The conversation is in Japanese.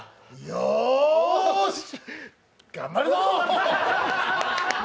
よぉーし、頑張るぞ！